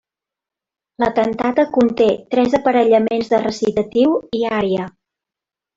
La cantata conté tres aparellaments de recitatiu i ària.